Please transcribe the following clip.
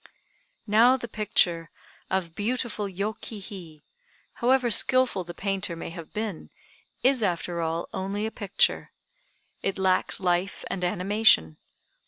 Now the picture of beautiful Yô ki hi, however skilful the painter may have been, is after all only a picture. It lacks life and animation.